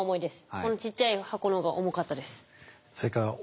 このちっちゃい箱のが重かったです。